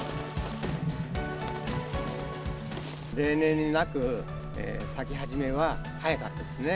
例年になく、咲き始めは早かったですね。